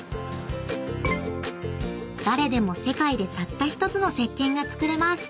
［誰でも世界でたった１つの石けんが作れます］